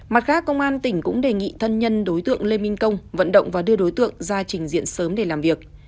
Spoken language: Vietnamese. mặt khác công an tỉnh cũng đề nghị thân nhân đối tượng lê minh công vận động và đưa đối tượng ra trình diện sớm để làm việc